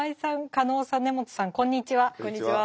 こんにちは。